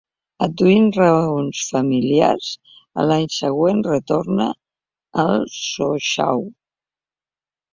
Adduint raons familiars, a l'any següent retorna al Sochaux.